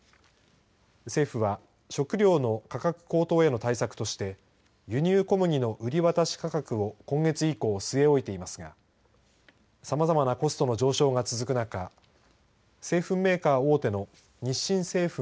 政府は食料の価格高騰への対策として輸入小麦の売り渡し価格を今月以降、据え置いていますがさまざまなコストの上昇が続く中製粉メーカー大手の日清製粉